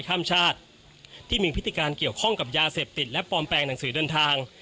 ข้ามชาติที่มีพฤติการเกี่ยวข้องกับยาเสพติดและปลอมแปลงหนังสือเดินทาง